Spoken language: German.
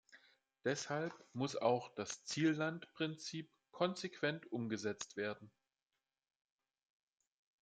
Deshalb muss auch das Ziellandprinzip konsequent umgesetzt werden.